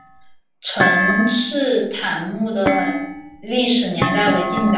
陈式坦墓的历史年代为近代。